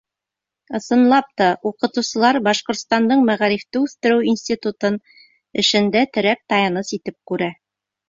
— Ысынлап та, уҡытыусылар Башҡортостандың мәғарифты үҫтереү институтын эшендә терәк-таяныс итеп күрә.